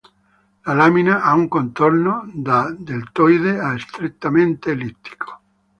La lamina ha un contorno da deltoide a strettamente ellittico.